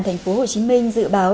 thành phố hồ chí minh dự báo